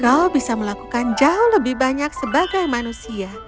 kau bisa melakukan jauh lebih banyak sebagai manusia